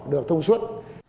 được thông suốt